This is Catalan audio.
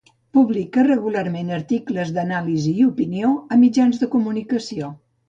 Publica regularment articles d'anàlisi i opinió a mitjans de comunicació.